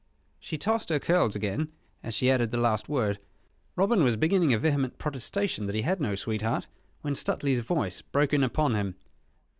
She tossed her curls again, as she added the last word. Robin was beginning a vehement protestation that he had no sweetheart, when Stuteley's voice broke in upon him.